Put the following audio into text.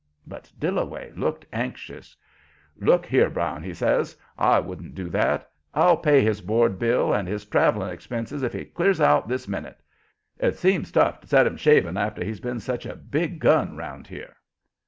But Dillaway looked anxious. "Look here, Brown," he says, "I wouldn't do that. I'll pay his board bill and his traveling expenses if he clears out this minute. It seems tough to set him shaving after he's been such a big gun around here."